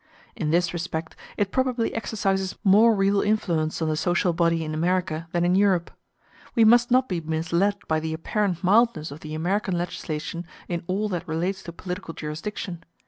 In this respect it probably exercises more real influence on the social body in America than in Europe. We must not be misled by the apparent mildness of the American legislation in all that relates to political jurisdiction.